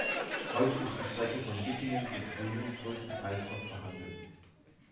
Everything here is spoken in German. Heute ist die Strecke von Wittingen bis Rühen größtenteils noch vorhanden.